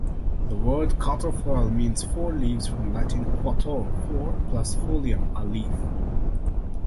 The word quatrefoil means "four leaves", from Latin "quattuor", four, plus "folium", a leaf.